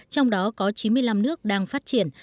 trong đó có chín mươi năm nước đang phát triển